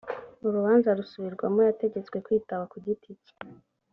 urubanza rusubirwamo yategetswe kwitaba ku giti cye